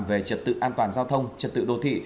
về trật tự an toàn giao thông trật tự đô thị